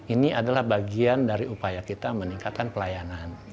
ini adalah bagian dari upaya kita meningkatkan pelayanan